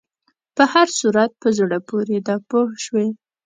په هر صورت په زړه پورې دی پوه شوې!.